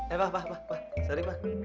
eh pak pak pak